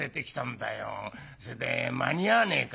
それで間に合わねえか」。